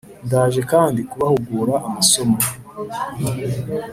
Ndaje kandi kubahugura amasomo